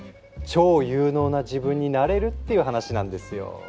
超有能な自分になれるっていう話なんですよ。